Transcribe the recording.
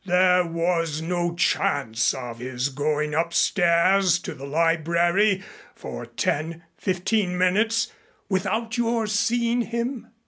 "There was no chance of his going upstairs to the library for ten fifteen minutes without your seeing him?"